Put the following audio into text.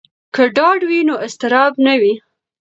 که ډاډ وي نو اضطراب نه وي.